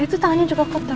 itu tangannya juga kotor